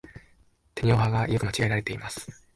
てにをはが、よく間違えられています。